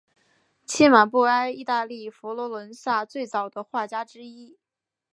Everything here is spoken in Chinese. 契马布埃意大利佛罗伦萨最早的画家之一。